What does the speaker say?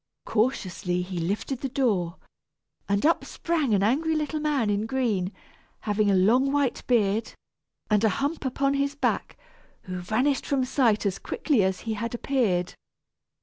Cautiously he lifted the door, and up sprang an angry little man in green, having a long white beard, and a hump upon his back, who vanished from sight as quickly as he had appeared.